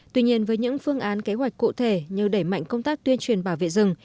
tuy nhiên với những phương án kế hoạch cụ thể như đẩy mạnh công tác tuyên truyền bảo vệ rừng